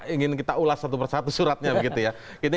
ingin kita ulas satu persatu suratnya begitu ya